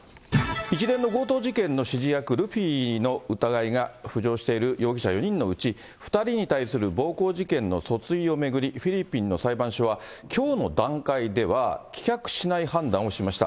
一連の強盗事件の指示役、ルフィの疑いが浮上している容疑者４人のうち、２人に対する暴行事件の訴追を巡り、フィリピンの裁判所はきょうの段階では棄却しない判断をしました。